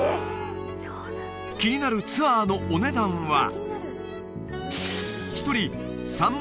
気になるツアーのお値段は？